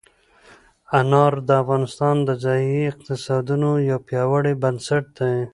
انار د افغانستان د ځایي اقتصادونو یو پیاوړی بنسټ دی.